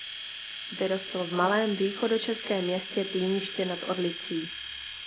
Vyrostl v malém východočeském městě Týniště nad Orlicí.